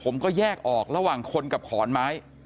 ผมก็แยกออกระหว่างคนกับขอนไม้